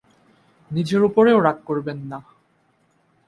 নিজের ওপরেও রাগ করবেন না।